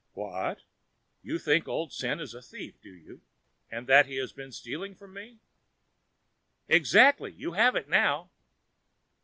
"What! you think old Sen is a thief, do you, and that he has been stealing from me?" "Exactly! you have it now."